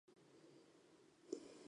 我作为女人而参与了动乱。